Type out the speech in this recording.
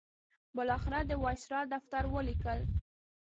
بالاخره د وایسرا دفتر ولیکل.